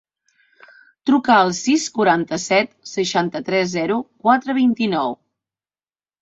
Truca al sis, quaranta-set, seixanta-tres, zero, quatre, vint-i-nou.